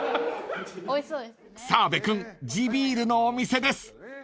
［澤部君地ビールのお店です］